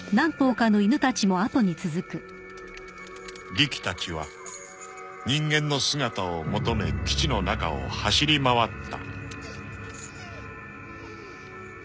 ［リキたちは人間の姿を求め基地の中を走り回った］